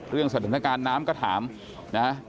เรื่องสถานการณ์น้ำก็ถามนะ